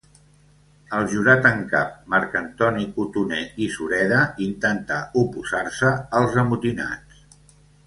El Jurat en Cap Marc Antoni Cotoner i Sureda intentà oposar-se als amotinats.